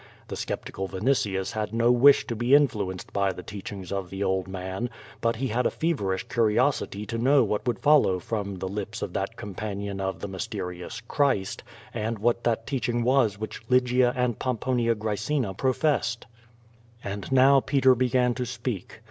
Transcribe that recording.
The sceptical Yinitius had no wish to be influenced by the teachings of the old man, but he had a feverish curiosity to know what would follow from the lips of that companion of the mysterious Christ, and what that teaching was which Lygia and Fomponia Oraecina pro fessed. And now Peter began to speak.